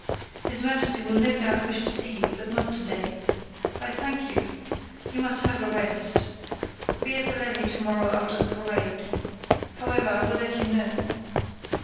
His Majesty will no doubt wish to see you, but not today. I thank you! You must have a rest. Be at the levee tomorrow after the parade. However, I will let you know."